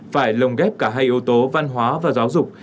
phải lồng ghép cả hai yếu tố văn hóa và giáo dục